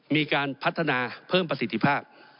มีการพัฒนาเพิ่มประสิทธิภาพ